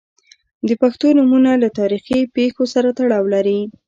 • د پښتو نومونه له تاریخي پیښو سره تړاو لري.